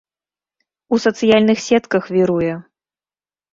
У сацыяльных сетках віруе.